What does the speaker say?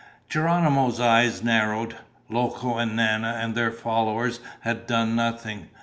Geronimo's eyes narrowed. Loco and Nana and their followers had done nothing.